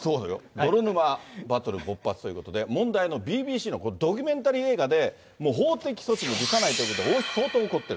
泥沼バトル勃発ということで、問題のＢＢＣの、これ、ドキュメンタリー映画で、法的措置も辞さないということで、相当怒ってる。